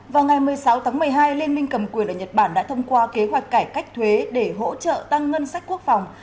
vào ngày một mươi sáu tháng một mươi hai liên minh cầm quyền ở nhật bản đã thông qua kế hoạch cải cách thuế để hỗ trợ tăng ngân sách quốc phòng